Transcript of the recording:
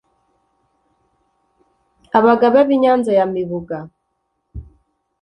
abagabe b’i nyanza ya mibuga